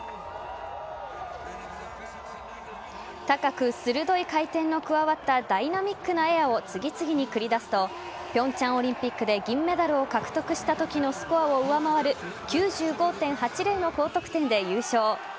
高く鋭い回転の加わったダイナミックなエアを次々に繰り出すと平昌オリンピックで銀メダルを獲得したときのスコアを上回る９５．８０の高得点で優勝。